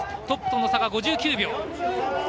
トップとの差は５９秒。